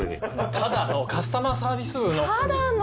ただのカスタマーサービス部の。